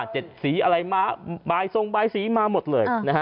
เจ็ดสีอะไรมาบายทรงบายสีมาหมดเลย